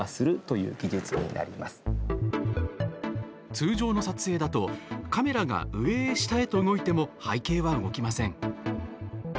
通常の撮影だとカメラが上へ下へと動いても背景は動きません。